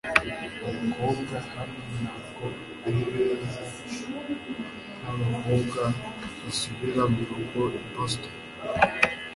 abakobwa hano ntabwo ari beza nkabakobwa basubira murugo i boston